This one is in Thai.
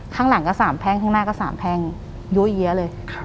ข้างหลังก็สามแพงข้างหน้าก็สามแพงย้วยเยี้ยะเลย